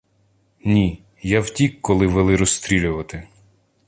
— Ні, я втік, коли вели розстрілювати.